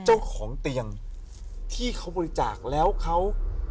เจ้าของเตียงที่เขาบริจาคแล้วเขา